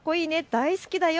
大好きだよ。